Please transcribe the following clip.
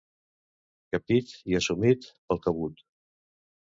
Capit i assumit pel cabut.